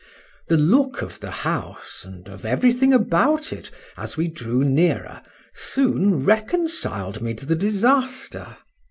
The look of the house, and of every thing about it, as we drew nearer, soon reconciled me to the disaster.